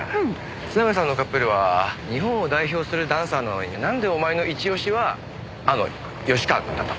須永さんのカップルは日本を代表するダンサーなのになんでお前の一押しはあの芳川くんだったの？